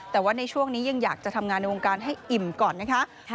แต่ว่าในช่วงนี้ยังอยากจะทำงานในวงการให้อิ่มก่อนนะคะ